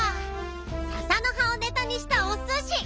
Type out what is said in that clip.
ササのはをネタにしたおすし。